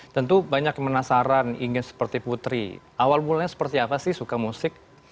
tentu banyak yang penasaran ingin seperti putri awal mulanya seperti apa sih suka musik